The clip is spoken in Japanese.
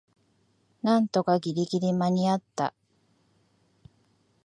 なんとかギリギリ間にあった